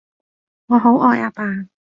我好愛阿爸